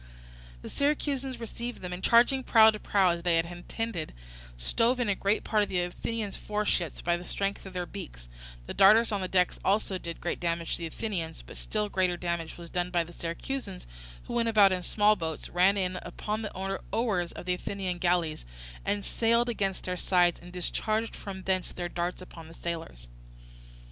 The Syracusans received them, and charging prow to prow as they had intended, stove in a great part of the Athenian foreships by the strength of their beaks; the darters on the decks also did great damage to the Athenians, but still greater damage was done by the Syracusans who went about in small boats, ran in upon the oars of the Athenian galleys, and sailed against their sides, and discharged from thence their darts upon the sailors.